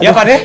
iya pak d